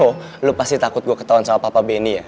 oh lu pasti takut gue ketahuan sama papa benny ya